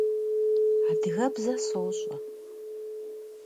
Adıgebze soş'e.